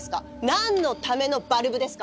何のためのバルブですか？